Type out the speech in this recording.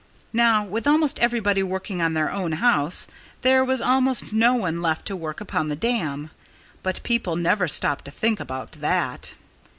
Now, with almost everybody working on his own house, there was almost no one left to work upon the dam. But people never stopped to think about that.